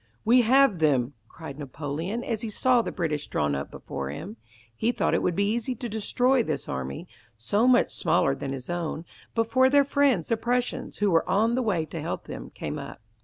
"We have them," cried Napoleon as he saw the British drawn up before him. He thought it would be easy to destroy this army, so much smaller than his own, before their friends the Prussians, who were on the way to help them, came up.